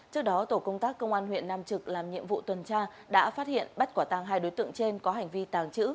trước đó tổ công tác công an huyện nam trực làm nhiệm vụ tuần tra đã phát hiện bắt quả tăng hai đối tượng trên có hành vi tàng trữ